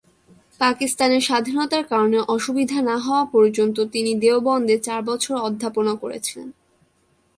পাকিস্তানের স্বাধীনতার কারণে অসুবিধা না হওয়া পর্যন্ত তিনি দেওবন্দে চার বছর অধ্যাপনা করেছিলেন।